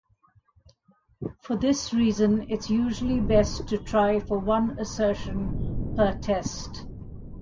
For this reason, it's usually best to try for one assertion per test.